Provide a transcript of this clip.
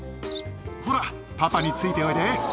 ほらパパについておいで。